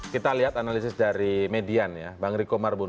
kita lihat analisis dari median ya bang riko marbun